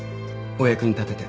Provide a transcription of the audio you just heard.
お役に立てて。